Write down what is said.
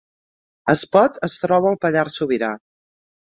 Espot es troba al Pallars Sobirà